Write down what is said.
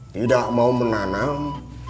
tidak mau menanam